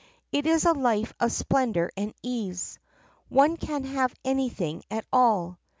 It is a life of splendor and ease. One can have anything at all.